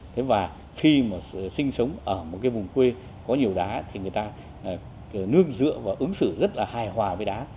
thế và khi mà sinh sống ở một cái vùng quê có nhiều đá thì người ta nương dựa và ứng xử rất là hài hòa với đá